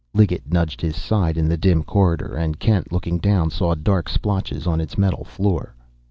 Liggett nudged his side in the dim corridor, and Kent, looking down, saw dark splotches on its metal floor.